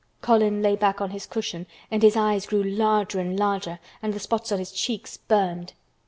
Colin lay back on his cushion and his eyes grew larger and larger and the spots on his cheeks burned.